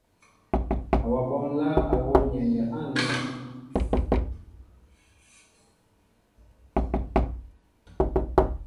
Awaɓó nláá a wɔ nyɛŋgɛ á nlém.